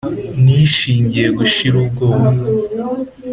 nishingiye gushira ubwoba